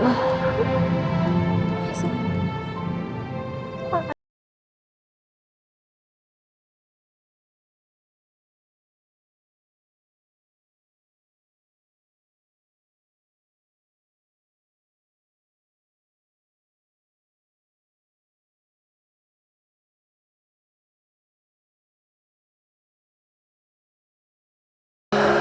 ya allah hari ini aku sedikit bahagia